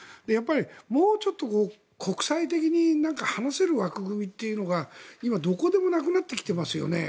もうちょっと国際的に話せる枠組みというのが今、どこでもなくなってきていますよね。